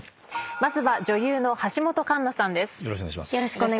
まずは女優の橋本環奈さんです。